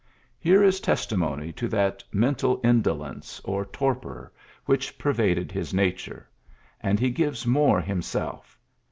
'^ Here is testi mony to that mental indolence, or tor por, which pervaded his nature ; and he gives more himself.